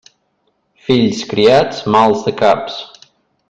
Fills criats, mals de caps.